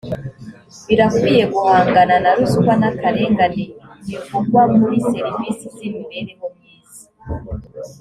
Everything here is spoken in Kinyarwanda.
birakwiye guhangana na ruswa n’akarengane bivugwa muri servisi z’imibereho myiza